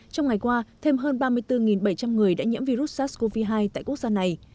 trong ngày qua thêm hơn ba mươi bốn bảy trăm linh người đã nhiễm virus sars cov hai tại quốc gia này